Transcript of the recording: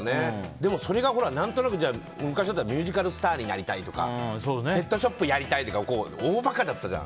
でも、それが何となく昔だったらミュージカルスターになりたいとかペットショップやりたいとか大まかだったじゃん。